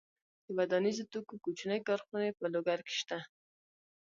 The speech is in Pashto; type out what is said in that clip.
د ودانیزو توکو کوچنۍ کارخونې په لوګر کې شته.